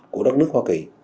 của đất nước hoa kỳ